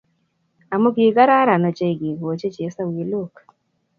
Amu kigararan ochei kigochi chesawiilok